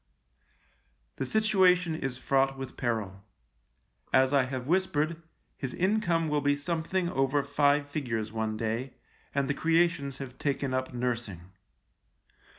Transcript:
The situation is fraught with peril. As I have whispered, his income will be something over five figures one day, and the creations have taken up nursing.